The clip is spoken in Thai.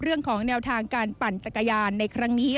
เรื่องของแนวทางการปั่นจักรยานในครั้งนี้